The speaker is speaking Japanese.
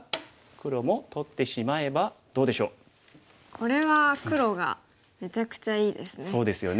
これは黒がめちゃくちゃいいですね。